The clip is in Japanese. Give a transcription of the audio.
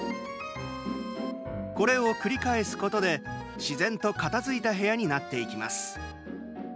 これを繰り返すことで、自然と片づいた部屋になっていきます。